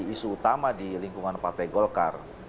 isu utama di lingkungan partai golkar